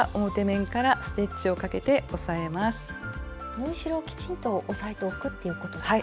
縫い代をきちんと押さえておくっていうことですか。